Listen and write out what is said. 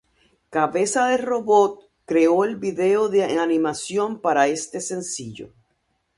Cabeza de Robot, creo el video en animación para este sencillo.